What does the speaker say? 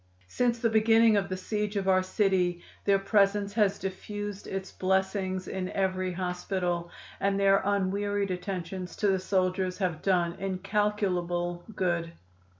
Since the beginning of the siege of our city their presence has diffused its blessings in every hospital, and their unwearied attentions to the soldiers have done incalculable good."